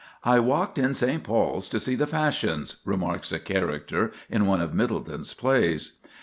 "I walked in St. Paul's to see the fashions," remarks a character in one of Middleton's plays.